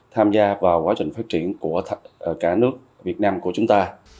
tham gia vào quá trình phát triển của cả nước việt nam của chúng ta